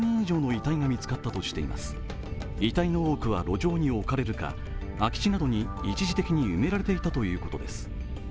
遺体の多くは路上に置かれるか空き地などに一時的に埋められていたということです。